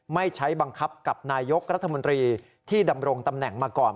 ไม่ใช้บังคับกับนายกรัฐมนตรีที่ดำรงตำแหน่งมาก่อน